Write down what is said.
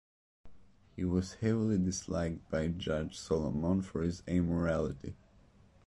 He was heavily disliked by Judge Solomon for his amorality.